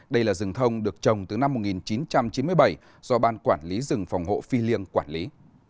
đây là rừng thông được trồng từ năm một nghìn chín trăm chín mươi bảy do ban quản lý rừng phòng hộ phi liêng quản lý